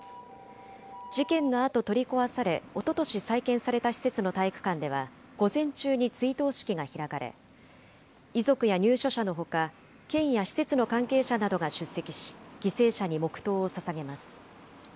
事件のあと取り壊され、おととし再建された施設の体育館では、午前中に追悼式が開かれ、遺族や入所者のほか、県や施設の関係者などが出席し、犠牲者に黙とうをささげます。